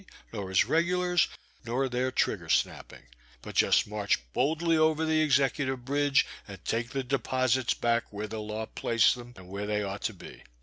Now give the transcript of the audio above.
nor his regulars, nor their trigger snapping; but just march boldly over the executive bridge, and take the deposites back where the law placed them, and where they ought to be.